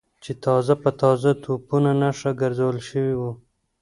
چې تازه په تازه د توپونو نښه ګرځول شوي و.